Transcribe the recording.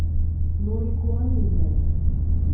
Noriko am yemma-s.